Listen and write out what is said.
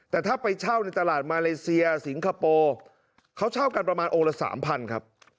แต่ถ้าไปเช่าในตลาดมาเลเซียสิงคโปร์เขาเช่ากันประมาณองค์ละ๓๐๐ครับ